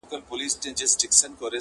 او بحثونه لا روان دي,